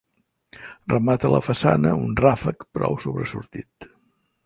Remata la façana un ràfec prou sobresortit.